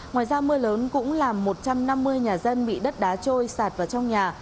ngoài ra mưa lớn cũng làm một trăm năm mươi nhà dân bị đất đá trôi sạt vào trong nhà